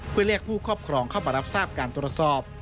เพื่อเรียกผู้ครอบครองเข้ามารับทราบการตรวจสอบ